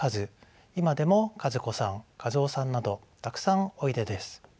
今でも和子さん和雄さんなどたくさんおいでです。